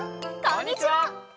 こんにちは！